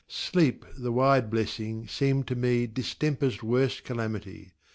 Sleep, the wide blessing, seemed to me Distemper's worst calamity.